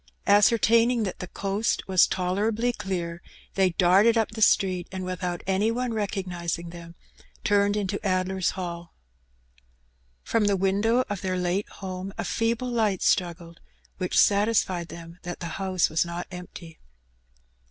Ascertaining that the coast was tolerably clear^ they darted up the street^ and withont any one recog nizing them^ turned into Addler's Hall. From the window of their late home a feeble light struggled^ which satisfied them that the house was not empty.